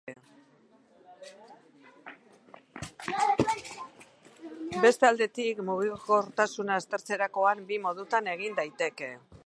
Beste aldetik, mugikortasuna aztertzerakoan bi modutan egin daiteke.